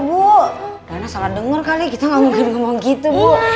bolamannya bu rana salah denger kali kita ngomong ngomong gitu